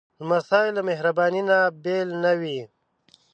لمسی له مهربانۍ نه بېل نه وي.